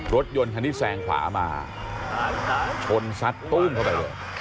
รถยนต์คันนี้แซงขวามาชนซัดตู้มเข้าไปเลย